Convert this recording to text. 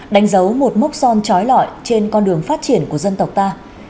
đánh dấu một mốc son trói lọi trên con đường phát triển của dân tộc ta